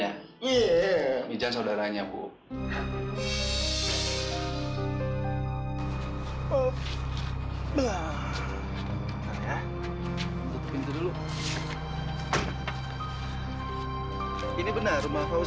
iya miza saudaranya bu eh oh benar ini benar mau fouzan iya iya iya iya iya assalamualaikum